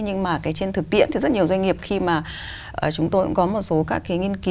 nhưng mà trên thực tiễn thì rất nhiều doanh nghiệp khi mà chúng tôi cũng có một số các cái nghiên cứu